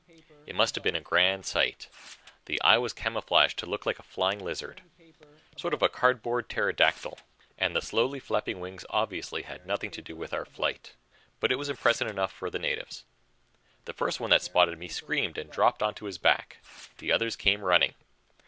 It must have been a grand sight. The eye was camouflaged to look like a flying lizard, sort of a cardboard pterodactyl, and the slowly flapping wings obviously had nothing to do with our flight. But it was impressive enough for the natives. The first one that spotted me screamed and dropped over on his back. The others came running.